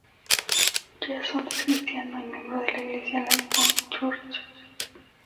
Jason es Cristiano, y miembro de la Iglesia Lake Pointe Church.